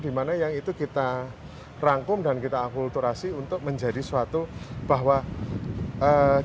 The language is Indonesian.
dimana yang itu kita rangkum dan kita akulturasi untuk menjadi suatu bahwa kita bisa hidup berdiri